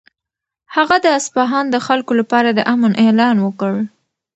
هغه د اصفهان د خلکو لپاره د امن اعلان وکړ.